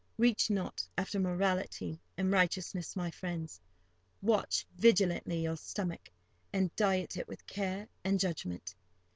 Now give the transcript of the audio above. Reach not after morality and righteousness, my friends; watch vigilantly your stomach, and diet it with care and judgment.